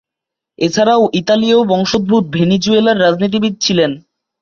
এছাড়াও ইতালীয় বংশোদ্ভূত ভেনেজুয়েলীয় রাজনীতিবিদ ছিলেন।